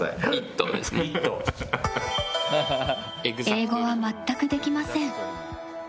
英語は全くできません。